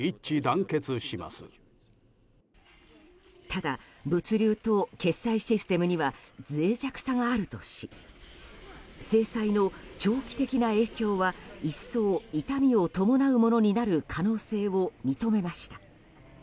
ただ、物流と決済システムには脆弱さがあるとし制裁の長期的な影響は一層、痛みを伴うものになる可能性を認めました。